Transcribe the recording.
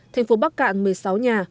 thành phố bắc cạn một mươi sáu nhà